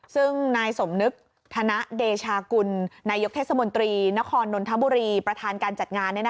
ซึ่งนายสมนึกธนเดชากุลนายกเทศมนตรีนครนนทบุรีประธานการจัดงาน